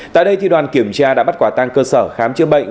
tại đây đoàn kiểm tra đã bắt quả tăng cơ sở khám chữa bệnh